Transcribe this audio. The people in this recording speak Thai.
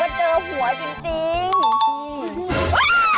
โอ้โฮโอ้โฮ